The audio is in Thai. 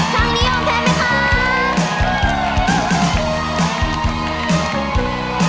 ข้างนี้ยอมแพ้ไหมคะ